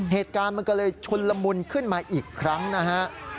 เหตุการณ์มันก็เลยชุนละมุนขึ้นมาอีกครั้งนะฮะ